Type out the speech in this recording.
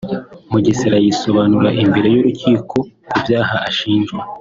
Mugesera yisobanura imbere y’Urukiko ku byaha ashinjwa